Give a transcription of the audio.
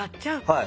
はい。